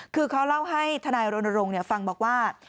คือเขาเล่าให้ทนายรณรงค์ฟังบอกว่า